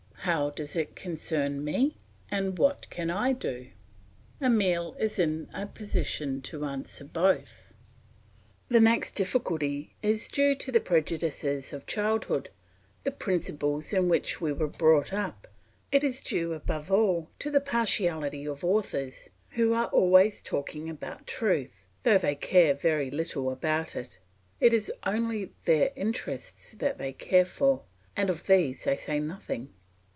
"How does it concern me; and what can I do?" Emile is in a position to answer both. The next difficulty is due to the prejudices of childhood, the principles in which we were brought up; it is due above all to the partiality of authors, who are always talking about truth, though they care very little about it; it is only their own interests that they care for, and of these they say nothing.